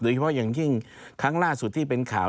เฉพาะอย่างยิ่งครั้งล่าสุดที่เป็นข่าว